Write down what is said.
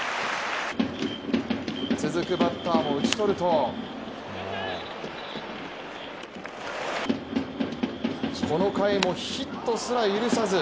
続くバッターも打ち取るとこの回もヒットすら許さず。